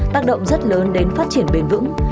tác động rất lớn đến phát triển bền vững